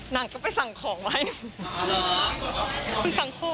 หนังก็ไปสั่งของมาให้หนู